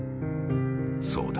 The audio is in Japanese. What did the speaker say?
そうだ！